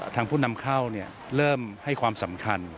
ผู้นำเข้าเริ่มให้ความสำคัญ